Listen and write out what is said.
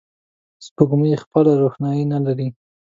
سپوږمۍ خپله روښنایي نه لري